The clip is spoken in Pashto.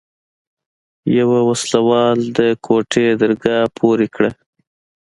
يوه وسله وال د کوټې درګاه پورې کړه.